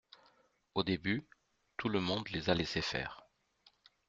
Au début, tout le monde les a laissé faire.